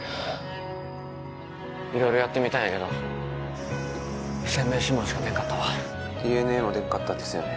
色々やってみたんやけど不鮮明指紋しか出んかったわＤＮＡも出んかったんですよね